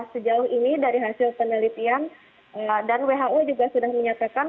sejauh ini dari hasil penelitian dan who juga sudah menyatakan